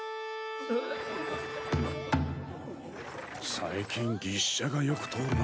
最近牛車がよく通るな。